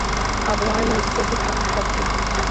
আমার মিউজিকের খুব শখ ছিল।